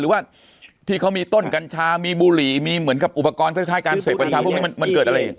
หรือว่าที่เขามีต้นกัญชามีบุหรี่มีเหมือนกับอุปกรณ์คล้ายการเสพกัญชาพวกนี้มันเกิดอะไรอีก